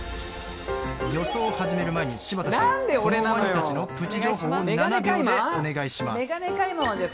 予想を始める前に、柴田さんワニたちのプチ情報を７秒でお願いします。